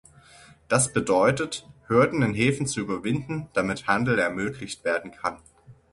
Das bedeutet, Hürden in Häfen zu überwinden, damit Handel ermöglicht werden kann.